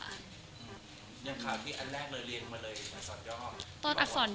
อย่างค่ะพี่อันแรกเรียนมาเลยอักษรย่อ